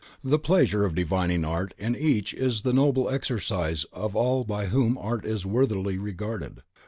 The pleasure of divining art in each is the noble exercise of all by whom art is worthily regarded.